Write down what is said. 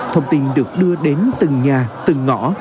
thông tin được đưa đến từng nhà từng ngõ